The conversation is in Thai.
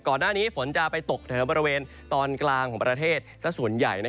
ก่อนหน้านี้ฝนจะไปตกแถวบริเวณตอนกลางของประเทศสักส่วนใหญ่